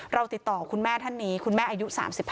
เราติดต่อคุณแม่ท่านนี้คุณแม่อายุ๓๕